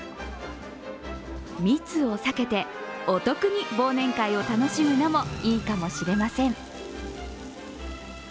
密を避けてお得に忘年会を楽しむのもいいかもしれません。